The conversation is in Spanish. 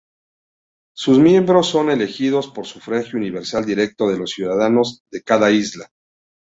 Sus miembros son elegidos por sufragio universal directo de los ciudadanos de cada isla.